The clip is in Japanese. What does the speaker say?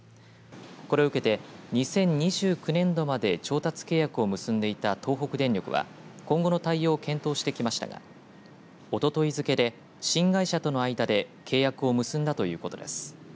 これを受けて２０２９年度まで調達契約を結んでいた東北電力は今後の対応を検討してきましたがおととい付けで新会社との間で契約を結んだということです。